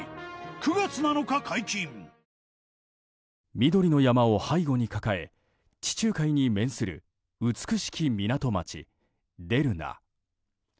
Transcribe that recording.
緑の山を背後に抱え地中海に面する美しき港町デルナ。